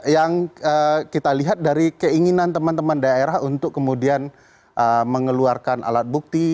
yang kita lihat dari keinginan teman teman daerah untuk kemudian mengeluarkan alat bukti